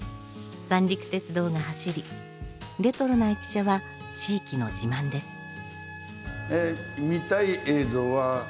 三陸鉄道が走りレトロな駅舎は地域の自慢です。